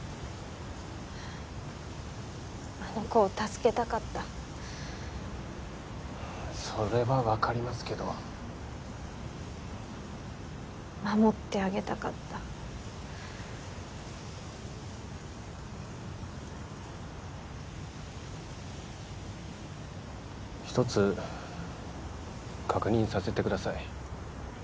あの子を助けたかったそれは分かりますけど守ってあげたかった一つ確認させてください